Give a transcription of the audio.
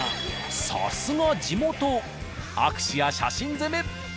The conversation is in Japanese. さすが地元握手や写真攻め。